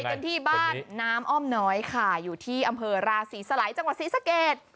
กันที่บ้านน้ำอ้อมน้อยค่ะอยู่ที่อำเภอราศรีสลัยจังหวัดศรีสะเกด